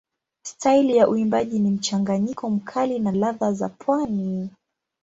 Staili ya uimbaji ni mchanganyiko mkali na ladha za pwani.